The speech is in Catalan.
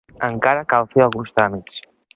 Encara cal fer alguns tràmits.